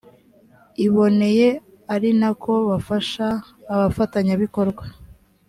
iboneye ari nako bafasha abafatanyabikorwa